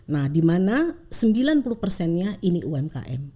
nah dimana sembilan puluh nya ini umkm